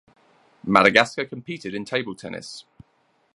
Madagascar competed in table tennis.